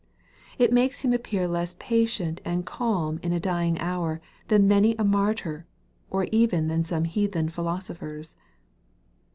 It makes Him appear less patient and calm in a dying hour than many a martyr, or even than some heathen philosophers.